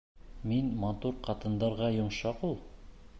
Мин матур ҡатындарға йомшаҡ ул!